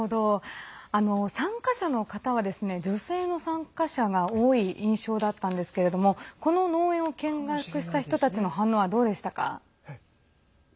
参加者の方は女性の参加者が多い印象だったんですけれどもこの農園を見学した人たちの反応はどうでしたか？